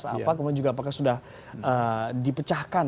apa kemudian juga apakah sudah dipecahkan